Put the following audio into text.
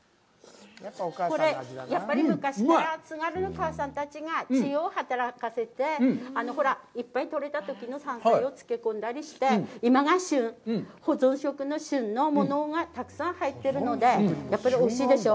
これ、やっぱり昔から津軽の母さんたちが、知恵を働かせて、ほら、いっぱい取れたときの山菜をつけ込んだりして、今が旬、保存食の旬のものがたくさん入ってるので、やっぱりおいしいでしょう？